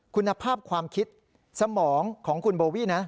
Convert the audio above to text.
คุณภาพความคิดสมองของคุณโบวี่นะ